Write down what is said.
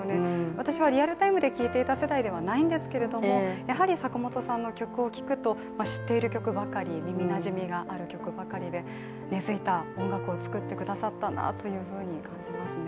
私はリアルタイムで聴いていた世代ではないんですけども、やはり坂本さんの曲を聴くと知っている曲、耳なじみのある曲ばかりで根づいた音楽を作ってくださったんだなというふうに感じますね。